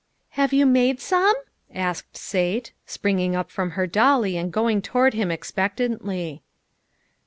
"Have you made some?" asked Sate, springing up from her dolly and go ing toward him expectantly.